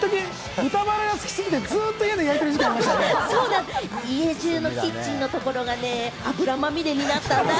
豚バラが好きで、ずっと焼い家中のキッチンのところがね、油まみれになったんだ。